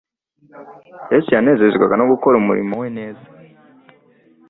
Yesu yanezezwaga no gukora umurimo we neza.